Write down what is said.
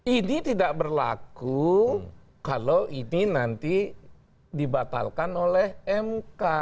ini tidak berlaku kalau ini nanti dibatalkan oleh mk